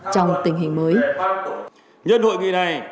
trong tình hình mới